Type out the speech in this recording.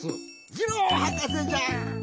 ジローはかせじゃ。